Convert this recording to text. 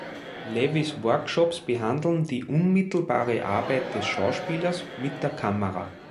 Lewis' Workshops behandeln die unmittelbare Arbeit des Schauspielers mit der Kamera.